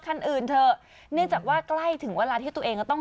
คันอื่นเถอะเนื่องจากว่าใกล้ถึงเวลาที่ตัวเองก็ต้อง